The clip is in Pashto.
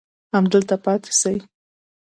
همدلته پاتې سئ.